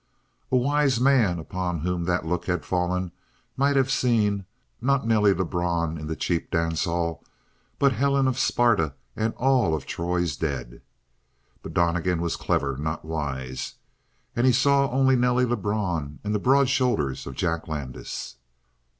A wise man upon whom that look had fallen might have seen, not Nelly Lebrun in the cheap dance hall, but Helen of Sparta and all Troy's dead. But Donnegan was clever, not wise. And he saw only Nelly Lebrun and the broad shoulders of Jack Landis.